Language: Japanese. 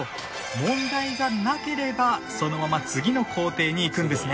問題がなければそのまま次の工程にいくんですね。